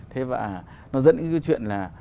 thế và nó dẫn đến cái chuyện là